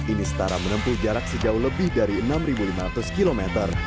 ini setara menempuh jarak sejauh lebih dari enam lima ratus km